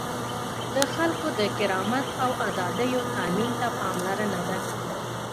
د خلکو د کرامت او آزادیو تأمین ته پاملرنه ده.